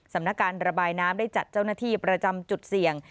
สำนักการระบายน้ำได้จัดเจ้าหน้าที่ประจำจุดเสี่ยง